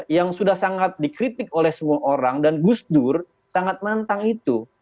yang sudah sangat dikritik oleh semua orang dan gus dur sangat nantang itu